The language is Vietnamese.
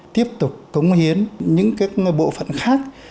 tiếp tục cống hiến những cái bộ phận khác